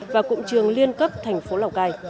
và cụng trường liên cấp thành phố lào cai